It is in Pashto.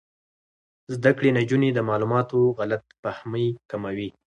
زده کړې نجونې د معلوماتو غلط فهمۍ کموي.